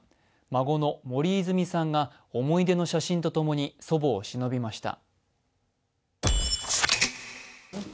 孫の森泉さんが思い出の写真と共に祖母をしのびました。